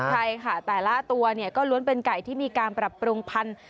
ใช่ค่ะแต่ละตัวเนี่ยก็ล้วนเป็นไก่ที่มีการปรับปรุงพันธุ์